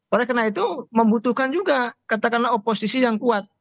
oleh karena itu membutuhkan juga katakanlah oposisi yang kuat